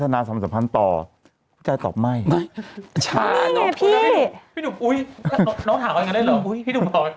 แต่นางเป็นคนที่ชอบถามผู้ชายไง